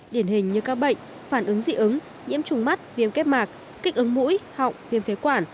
điển hình như các bệnh phản ứng dị ứng nhiễm trùng mắt viêm kết mạc kích ứng mũi họng viêm phế quản